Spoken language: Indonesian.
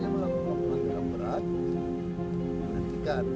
pak tapi kok kerangan bawah bisa jadi